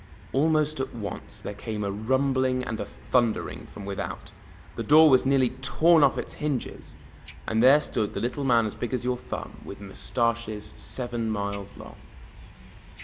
Almost at once there came a rumbling and a thundering from without, the door was nearly torn off its hinges and there stood the Little Man As Big As Your Thimib With Mustaches Seven Miles Long.